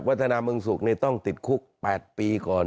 พัฒนาเมืองสุขต้องติดคุก๘ปีก่อน